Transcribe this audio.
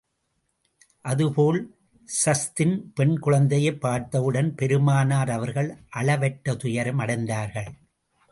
அதே போல் ஸைதின் பெண் குழந்தையைப் பார்த்தவுடன் பெருமானார் அவர்கள் அளவற்ற துயரம் அடைந்தார்கள்.